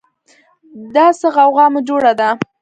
دا څه غوغا مو جوړه ده